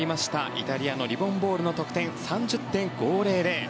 イタリアのリボン・ボールの得点３０．５００。